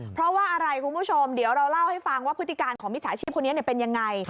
เพราะว่าอะไรคุณผู้ชมเดี๋ยวเราเล่าให้ฟังว่าพฤติการของมิจฉาชีพคนนี้เป็นยังไง